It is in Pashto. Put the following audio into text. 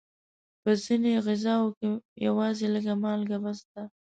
په ځینو غذاوو کې یوازې لږه مالګه بس ده.